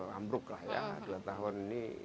ambruk lah ya dua tahun ini